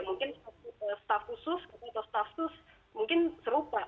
mungkin staff khusus atau staf khusus mungkin serupa